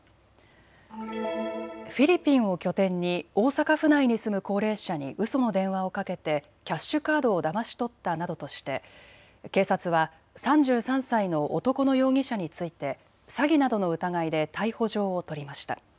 フィリピンを拠点に大阪府内に住む高齢者にうその電話をかけてキャッシュカードをだまし取ったなどとして警察は３３歳の男の容疑者について詐欺などの疑いで逮捕状を取りました。